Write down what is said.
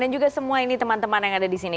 dan juga semua ini teman teman yang ada di sini